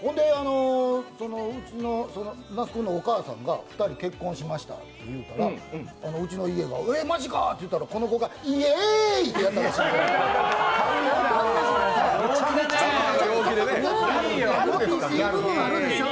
那須君のお母さんが、２人結婚しましたって言ったら、うちの家が、マジか！って言ったらこの子が「イエーイ」ってやったらしいです。